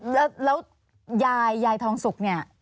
แล้วยายยายทองสุกเนี่ย